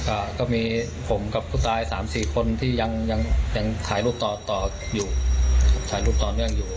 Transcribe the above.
อ่าก็มีผมกับผู้ตายสามสี่คนที่ยังยังถ่ายรูปต่อต่ออยู่ถ่ายรูปต่อเนื่องอยู่